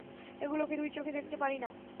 এগুলোকে দুই চোখে দেখতে পারি না!